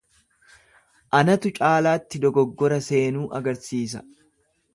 Anatu caalaatti dogoggora seenuu agarsiisa.